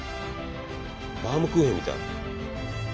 バウムクーヘンみたい。